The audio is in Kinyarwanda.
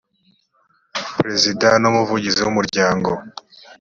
perezida n umuvugizi w umuryango